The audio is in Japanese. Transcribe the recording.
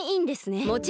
もちろんだ！